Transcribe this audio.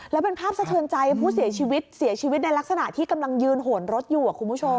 แล้วเป็นภาพสะเทินใจผู้เสียชีวิตในลักษณะที่กำลังยืนโหนรถอยู่ครับคุณผู้ชม